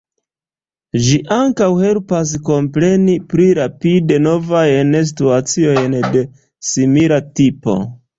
Ĝi ankaŭ helpas kompreni pli rapide novajn situaciojn de simila tipo.